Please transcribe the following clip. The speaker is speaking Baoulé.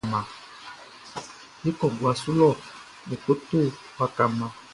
E kɔ guaʼn su lɔ e ko to waka mma.